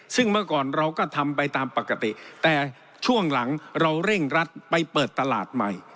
ซึ่งเมื่อก่อนเราก็ทำไปตามปกติแต่ช่วงหลังเราเร่งรัดไปเปิดตลาดใหม่